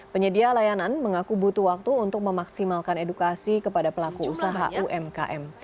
penyedia layanan mengaku butuh waktu untuk memaksimalkan edukasi kepada pelaku usaha umkm